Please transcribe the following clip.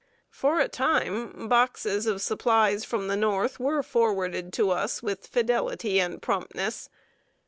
For a time, boxes of supplies from the North were forwarded to us with fidelity and promptness.